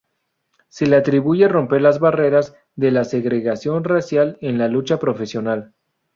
Se le atribuye romper las barreras de la segregación racial en la lucha profesional.